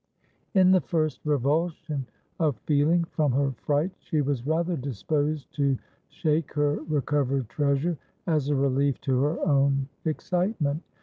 In the first revulsion of feeling from her fright, she was rather disposed to shake her recovered treasure, as a relief to her own excitement.